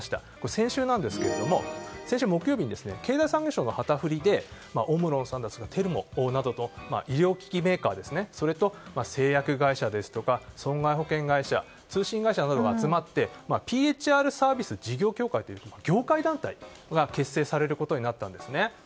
先週ですが、木曜日に経済産業省の旗振りでオムロン、テルモなどの医療機器メーカーそれと製薬会社ですとか損害保険会社通信会社などが集まってＰＨＲサービス事業協会という業界団体が結成されることになったんですね。